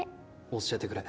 教えてくれ。